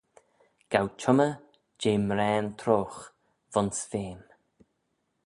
Ghow çhymmey jeh mraane treoghe v'ayns feme.